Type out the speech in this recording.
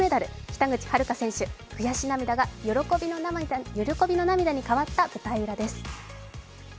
北口榛花選手、悔し涙が喜びの涙に変わった舞台裏です。